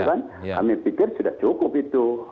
itu kan kami pikir sudah cukup itu